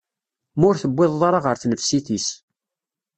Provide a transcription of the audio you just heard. Ma ur tewwiḍeḍ ara ɣer tnefsit-is.